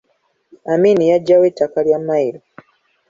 Amin yaggyawo ettaka lya Mailo.